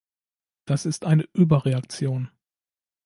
Das ist eine Überreaktion.